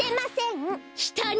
したね！